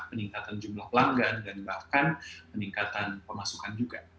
peningkatan jumlah pelanggan dan bahkan peningkatan pemasukan juga